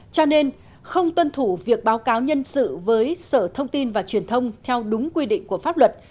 cho nên không tuân thủ việc báo cáo nhân sự với sở thông tin và truyền thông theo đúng quy định của pháp luật